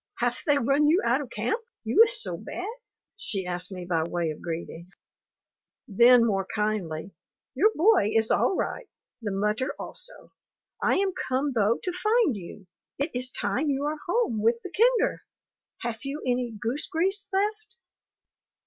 "Haf they run you out of camp, you iss so bad?" she asked me by way of greeting. Then, more kindly, "Your boy iss all right, the mutter also. I am come, though, to find you. It iss time you are home with the kinder. Haf you any goose grease left?"